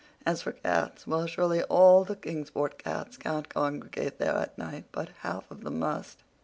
As for cats—well, surely all the Kingsport cats can't congregate there at night, but half of them must.